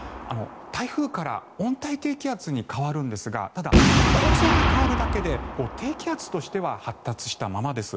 台風から温帯低気圧に変わるんですがただ、構造が変わるだけで低気圧としては発達したままです。